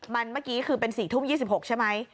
มันเมื่อกี้เป็น๔ทุ่ม๒๖ไหม